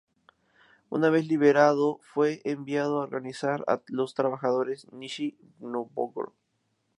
Una vez liberado fue enviado a organizar a los trabajadores en Nizhni Nóvgorod.